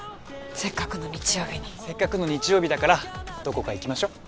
せっかくの日曜日にせっかくの日曜日だからどこか行きましょう